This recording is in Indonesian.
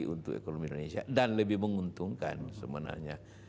untuk ekonomi indonesia dan lebih menguntungkan sebenarnya